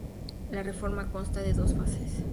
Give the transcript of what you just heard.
La reforma consta de dos fases.